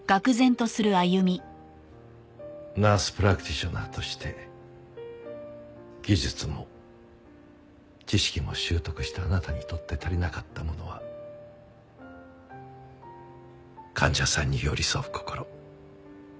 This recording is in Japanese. ナース・プラクティショナーとして技術も知識も習得したあなたにとって足りなかったものは患者さんに寄り添う心。